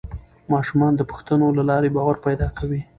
ماشومان د پوښتنو له لارې باور پیدا کوي